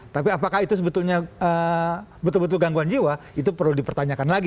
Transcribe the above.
tapi apakah itu sebetulnya betul betul gangguan jiwa itu perlu dipertanyakan lagi